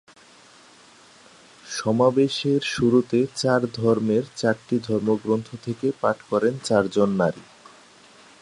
সমাবেশের শুরুতে চার ধর্মের চারটি ধর্মগ্রন্থ থেকে পাঠ করেন চারজন নারী।